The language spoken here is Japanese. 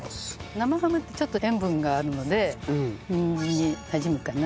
生ハムってちょっと塩分があるのでにんじんになじむかな。